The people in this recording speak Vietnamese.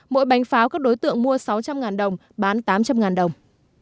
mỗi bánh pháo các đối tượng mua sáu trăm linh đồng bán tám trăm linh đồng